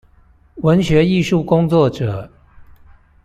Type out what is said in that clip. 文學藝術工作者